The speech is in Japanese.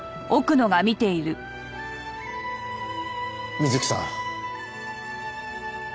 美月さん。